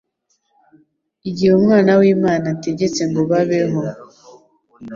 igihe Umwana w'Imana ategetse ngo babeho.